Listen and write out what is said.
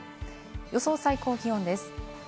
予想最高気温です。